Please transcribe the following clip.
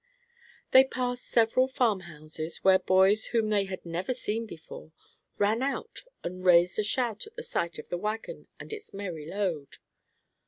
They passed several farmhouses, where boys whom they had never seen before ran out and raised a shout at the sight of the wagon and its merry load.